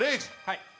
はい。